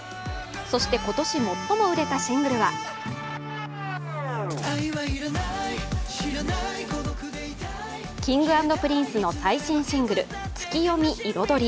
そして今年、最も売れたシングルはＫｉｎｇ＆Ｐｒｉｎｃｅの最新シングル「ツキヨミ／彩り」。